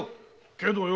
けどよ